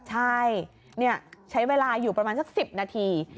ใช่ใช้เวลาอยู่ประมาณสัก๑๐นาที